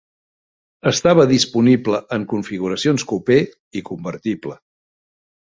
Estava disponible en configuracions coupé i convertible.